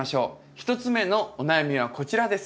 １つ目のお悩みはこちらです。